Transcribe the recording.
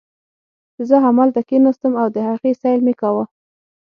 زه همالته کښېناستم او د هغې سیل مې کاوه.